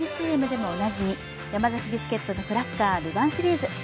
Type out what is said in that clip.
ＣＭでもおなじみヤマザキビスケットのクラッカー、ルヴァンシリーズ。